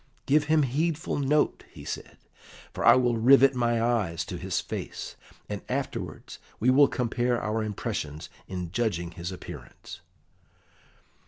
"Give him heedful note," he said, "for I will rivet my eyes to his face, and afterwards we will compare our impressions in judging his appearance."